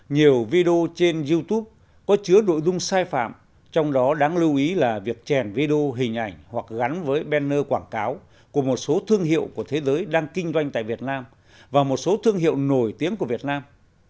nhiều video trên youtube có chứa nội dung sai phạm trong đó đáng lưu ý là việc chèn video hình ảnh hoặc gắn với bennner quảng cáo của một số thương hiệu của thế giới đang kinh doanh tại việt nam và một số thương hiệu nổi tiếng của việt nam